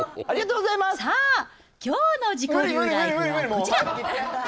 さあ、きょうの自己流ライフはこちら。